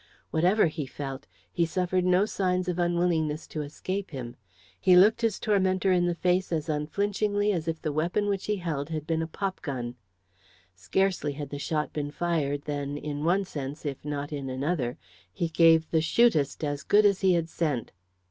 Whatever he felt he suffered no signs of unwillingness to escape him. He looked his tormentor in the face as unflinchingly as if the weapon which he held had been a popgun. Scarcely had the shot been fired than, in one sense, if not in another, he gave the "shootist" as good as he had sent.